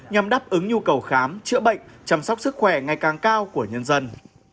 nhằm đáp ứng nhu cầu khám chữa bệnh chăm sóc sức khỏe ngày càng cao của nhân dân